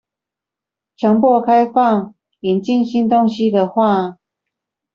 強迫開放、引進新東西的話